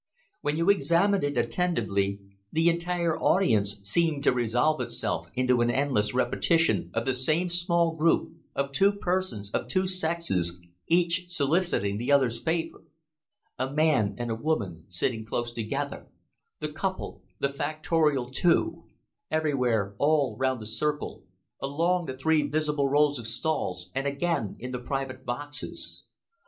When you examined it attentively, the entire audience seemed to resolve itself into an endless repetition of the same small group of two persons of two sexes, each soliciting the other's favor; a man and a woman sitting close together, the couple, the factorial two everywhere, all round the circle, along the three visible rows of stalls, and again in the private boxes.